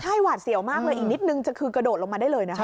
ใช่หวาดเสียวมากเลยอีกนิดนึงจะคือกระโดดลงมาได้เลยนะคะ